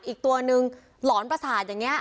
อีกตัวนึงหลอนประสาทอย่างนี้